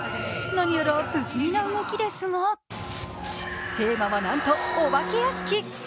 何やら不気味な動きですがテーマは、なんとお化け屋敷。